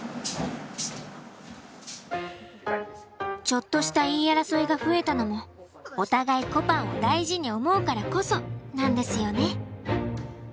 ちょっとした言い争いが増えたのもお互いこぱんを大事に思うからこそなんですよね。